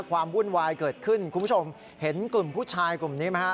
วุ่นวายเกิดขึ้นคุณผู้ชมเห็นกลุ่มผู้ชายกลุ่มนี้ไหมฮะ